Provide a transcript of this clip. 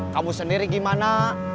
kamu sendiri gimana